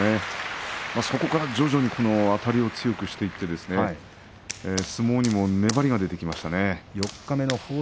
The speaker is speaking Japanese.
そこから徐々にあたりを強くしていって相撲にも粘りが出てきました。